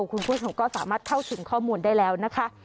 คุณผู้ชมก็สามารถเข้าถึงข้อมูลได้แล้วนะคะ